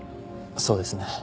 そうですね。